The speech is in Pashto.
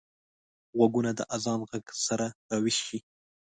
غوږونه د اذان غږ سره راويښ شي